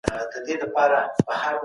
زه هره ورځ ډوډۍ پخوم.